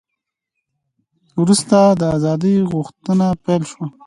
وروسته د ازادۍ غوښتنه پیل شوه.